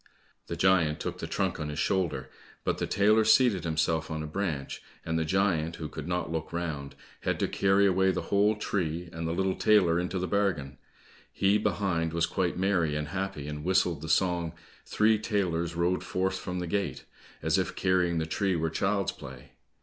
The giant took the trunk on his shoulder, but the tailor seated himself on a branch, and the giant who could not look round, had to carry away the whole tree, and the little tailor into the bargain: he behind, was quite merry and happy, and whistled the song, "Three tailors rode forth from the gate," as if carrying the tree were child's play.